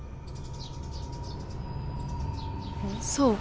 そう。